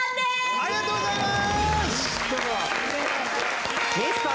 ありがとうございます。